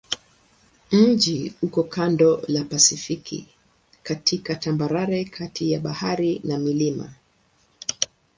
Mji uko kando la Pasifiki katika tambarare kati ya bahari na milima.